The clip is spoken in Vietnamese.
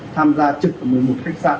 tham gia trực ở một mươi một khách sạn